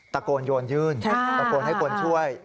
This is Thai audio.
ตะโกนโยนยื่นตะโกนให้คนช่วย